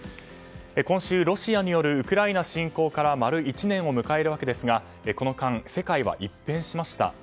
今週、ロシアによるウクライナ侵攻から丸１年を迎えるわけですがこの間、世界は一変しました。